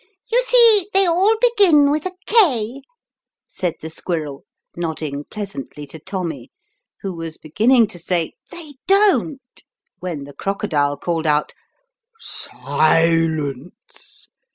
"You see they all begin with a K," said the squirrel, nodding pleasantly to Tommy, who was beginning to say " They don't," when the crocodile called out " Silence